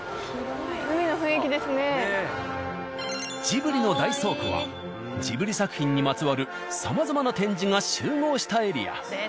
ジブリの大倉庫はジブリ作品にまつわるさまざまな展示が集合したエリア。